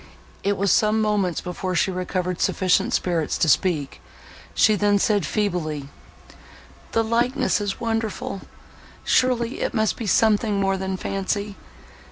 It was some moments before she recovered sufficient spirits to speak; she then said feebly—"The likeness is wonderful!—surely it must be something more than fancy.